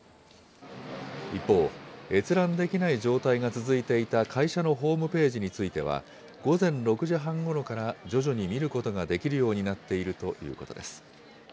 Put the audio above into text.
一方、閲覧できない状態が続いていた会社のホームページについては、午前６時半ごろから徐々に見ることができるようになっているということです。